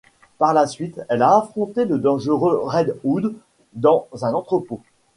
Par la suite, elle a affronté le dangereux Red Hood dans un entrepôt.